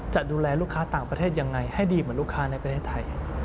จะดูแลลูกค้าต่างประเทศยังไงให้ดีเหมือนลูกค้าในประเทศไทย